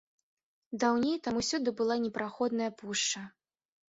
Даўней там усюды была непраходная пушча.